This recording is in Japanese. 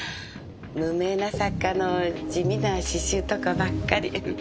無名な作家の地味な詩集とかばっかり。